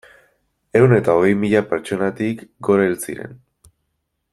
Ehun eta hogei mila pertsonatik gora hil ziren.